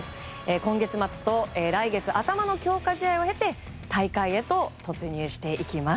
今月末と来月頭の強化試合を経て大会へと突入していきます。